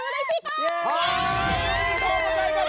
イエイ！おめでとうございます！